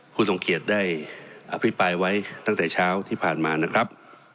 ทรงเกียจได้อภิปรายไว้ตั้งแต่เช้าที่ผ่านมานะครับ